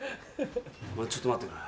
ちょっと待ってくれ。